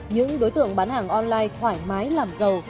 những đối tượng bán hàng online thoải mái làm giàu